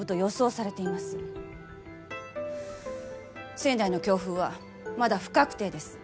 仙台の強風はまだ不確定です。